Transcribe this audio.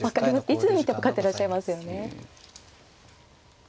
いつ見ても勝ってらっしゃいますよね。